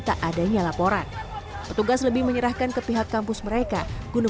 tapi digunakan untuk tindakan tindakan yang susah